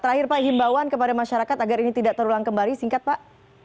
terakhir pak himbauan kepada masyarakat agar ini tidak terulang kembali singkat pak